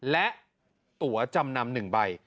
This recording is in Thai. และตั๋วจำนำหนึ่งใบ